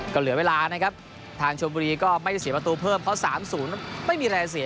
ก็เหลือเวลานะครับทางชมบุรีก็ไม่ได้เสียประตูเพิ่มเพราะ๓๐ไม่มีแรงเสีย